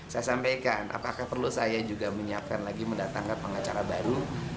saya sampaikan apakah perlu saya juga menyiapkan lagi mendatangkan pengacara baru